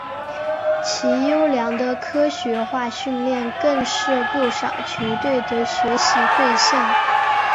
其优良的科学化训练更是不少球队的学习对象。